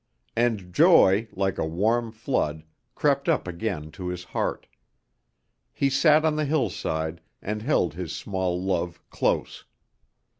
And joy, like a warm flood, crept up again to his heart. He sat on the hillside and held his small love close.